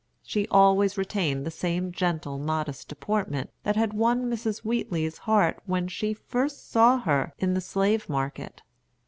She always retained the same gentle, modest deportment that had won Mrs. Wheatley's heart when she first saw her in the slave market.